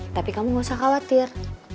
tapi kamu gak usah khawatir